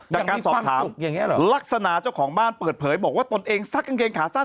จากการสอบถามลักษณะเจ้าของบ้านเปิดเผยบอกว่าตนเองซักกางเกงขาสั้น